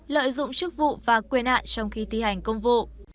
lợi dụng chức vụ và quyền hạn trong khi thi hành công vụ